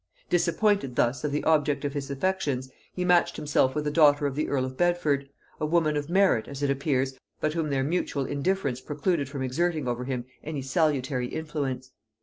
Disappointed thus of the object of his affections, he matched himself with a daughter of the earl of Bedford; a woman of merit, as it appears, but whom their mutual indifference precluded from exerting over him any salutary influence.